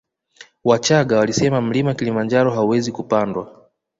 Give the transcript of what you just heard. Wachagga walisema mlima kilimanjaro hauwezi kupandwa